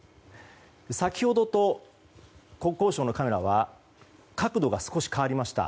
先ほどの国交省のカメラとは角度が少し変わりました。